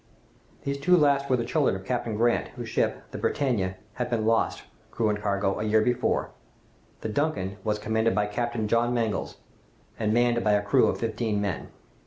These two last were the children of Captain Grant, whose ship, the 'Britannia,' had been lost, crew and cargo, a year before. The 'Duncan' was commanded by Captain John Mangles, and manned by a crew of fifteen men.